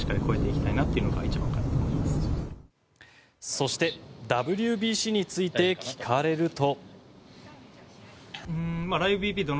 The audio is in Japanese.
そしてＷＢＣについて聞かれると。